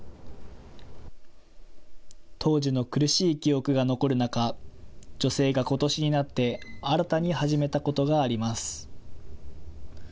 当時の苦しい記憶が残る中、女性がことしになって新たに始めたことがあります。